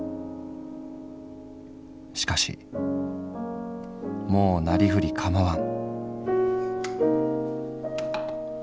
しかしもうなりふり構わん」。